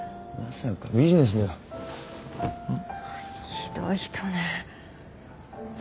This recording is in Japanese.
ひどい人ね。